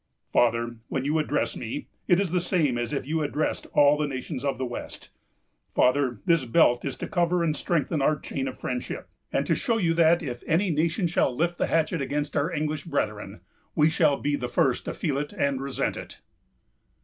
"Father, when you address me, it is the same as if you addressed all the nations of the west. Father, this belt is to cover and strengthen our chain of friendship, and to show you that, if any nation shall lift the hatchet against our English brethren, we shall be the first to feel it and resent it."